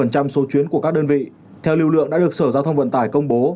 số chuyến của các đơn vị theo lưu lượng đã được sở giao thông vận tải công bố